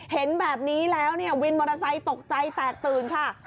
เห็นแบบนี้แล้วเวียบมถักขึ้นตกใจแตกตื่นค่ะ